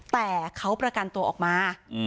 แต่เขาประกันตัวออกมา